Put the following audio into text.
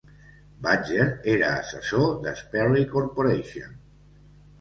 Badger era assessor de Sperry Corporation.